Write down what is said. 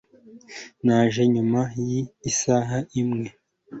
yaje nyuma y'isaha imwe